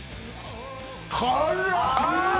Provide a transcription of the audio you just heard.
辛っ！